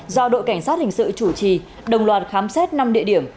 do đội cảnh sát hình sự chủ trì đồng loạt khám xét năm địa điểm